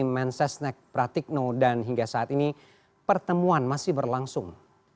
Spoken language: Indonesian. mensesnek pratikno dan hingga saat ini pertemuan masih berlangsung